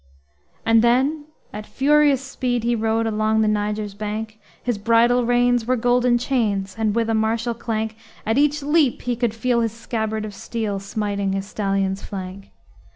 And then at furious speed he rode Along the Niger's bank; His bridle reins were golden chains, And, with a martial clank, At each leap he could feel his scabbard of steel Smiting his stallion's flank.